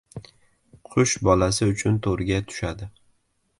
• Qush bolasi uchun to‘rga tushadi.